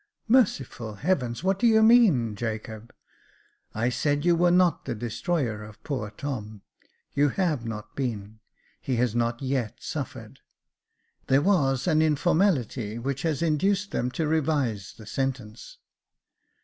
" Merciful heavens ! what do you mean, Jacob ?" "I said you were not the destroyer of poor Tom — you have not been, he has not yet suffered ; there was an in formality, which has induced them to revise the sentence."